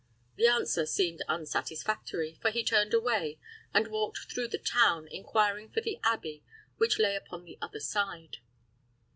The answer seemed unsatisfactory; for he turned away, and walked through the town, inquiring for the abbey, which lay upon the other side.